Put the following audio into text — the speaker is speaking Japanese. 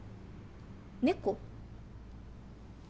猫？